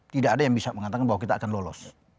tidak ada yang bisa mengatakan bahwa kita akan lolos